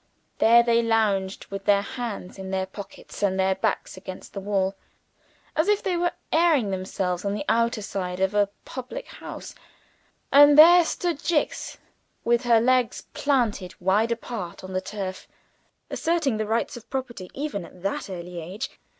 There they lounged, with their hands in their pockets and their backs against the wall, as if they were airing themselves on the outer side of a public house and there stood Jicks, with her legs planted wide apart on the turf, asserting the rights of property (even at that early age!)